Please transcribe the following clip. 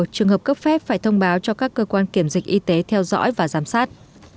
trường hợp cấp phép phải thông báo cho các cơ quan kiểm dịch y tế theo dõi và giám sát